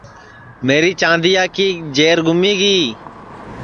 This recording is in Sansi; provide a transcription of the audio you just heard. میری چاندیا کی جیر گُمی گی